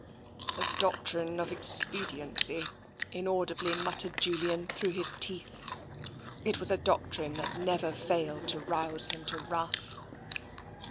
"The doctrine of expediency," inaudibly muttered Julian through his teeth. It was a doctrine that had never failed to rouse him to wrath.